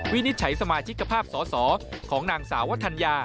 วินิจฉัยสมาชิกภาพสอสอของนางสาววัฒนยา